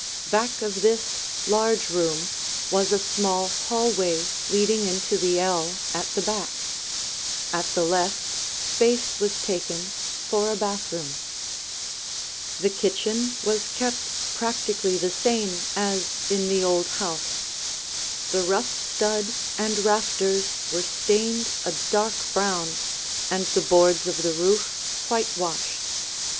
Back of this large room was a small hallway leading into the ell at the back. At the left, space was taken for a bathroom. [Illustration: AN OLD CAPE COD HOUSE THE KITCHEN] The kitchen was kept practically the same as in the old house. The rough stud and rafters were stained a dark brown, and the boards of the roof whitewashed.